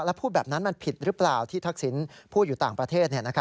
แล้วพูดแบบนั้นมันผิดหรือเปล่าที่ทักษิณพูดอยู่ต่างประเทศ